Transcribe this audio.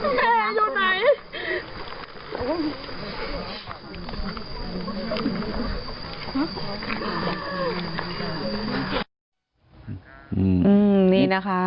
อืมมืมนี่นะคะ